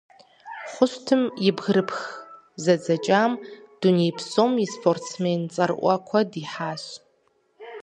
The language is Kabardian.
Хъущтым и «бгырыпх зэдзэкӏам» дуней псом и спортсмен цӏэрыӏуэ куэд ихьащ.